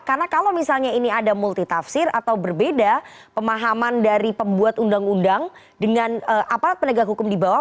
karena kalau misalnya ini ada multi tafsir atau berbeda pemahaman dari pembuat undang undang dengan aparat penegak hukum di bawah